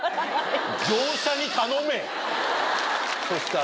そしたら。